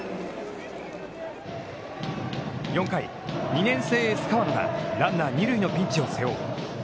４回、２年生エース河野がランナー二塁のピンチを背負う。